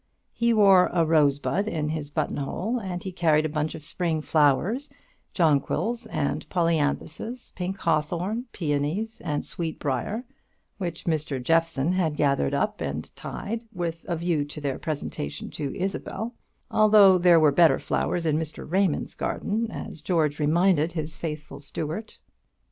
He wore a monthly rosebud in his button hole, and he carried a bunch of spring flowers, jonquils and polyanthuses, pink hawthorn, peonies, and sweet brier, which Mr. Jeffson had gathered and tied up, with a view to their presentation to Isabel, although there were better flowers in Mr. Raymond's garden, as George reminded his faithful steward.